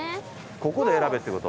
ここで選べってこと？